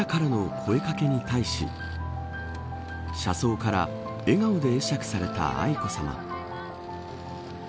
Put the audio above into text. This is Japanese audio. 記者からの声掛けに対し車窓から笑顔で会釈された愛子さま。